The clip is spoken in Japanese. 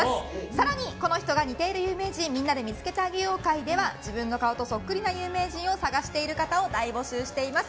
更に、この人が似ている有名人みんなで見つけてあげよう会では自分の顔とそっくりな有名人を探している方を大募集しています。